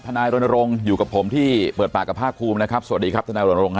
นายรณรงค์อยู่กับผมที่เปิดปากกับภาคภูมินะครับสวัสดีครับทนายรณรงค